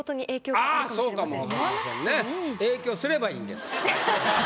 影響すればいいんです。